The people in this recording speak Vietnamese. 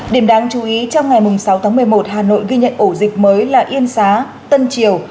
điểm đáng chú ý trong ngày sáu tháng một mươi một hà nội ghi nhận ổ dịch mới là yên xá tân triều